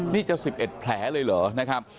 นี่จะ๑๑แผลเลยเหรอนะครับ